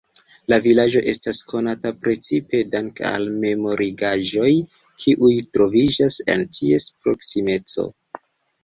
La vilaĝo estas konata precipe danke al memorigaĵoj, kiuj troviĝas en ties proksimeco.